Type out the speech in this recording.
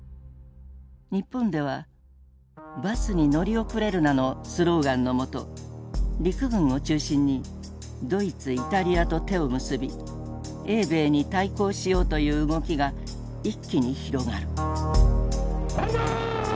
日本では「バスに乗り遅れるな」のスローガンのもと陸軍を中心にドイツイタリアと手を結び英米に対抗しようという動きが一気に広がる。